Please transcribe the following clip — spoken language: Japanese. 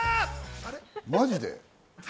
マジで？